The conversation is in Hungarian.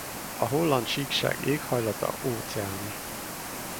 A Holland-síkság éghajlata óceáni.